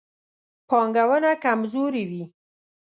پانګونه کمزورې وي.